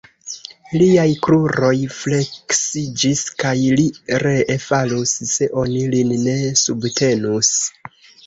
Liaj kruroj fleksiĝis, kaj li ree falus, se oni lin ne subtenus.